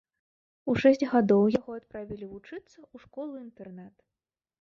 У шэсць гадоў яго адправілі вучыцца ў школу-інтэрнат.